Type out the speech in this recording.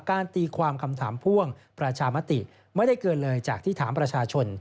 ตีความคำถามพ่วงประชามติไม่ได้เกินเลยจากที่ถามประชาชน